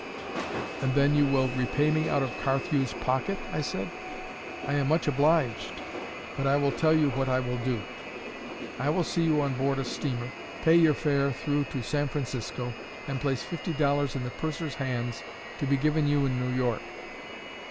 "And then you will repay me out of Carthew's pocket?" I said. "I am much obliged. But I will tell you what I will do: I will see you on board a steamer, pay your fare through to San Francisco, and place fifty dollars in the purser's hands, to be given you in New York."